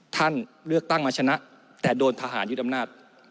ท่านเลือกตั้งมาชนะแต่โดนทหารยึดอำนาจ